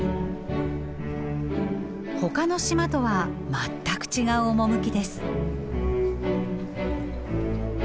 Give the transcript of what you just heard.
ほかの島とは全く違う趣です。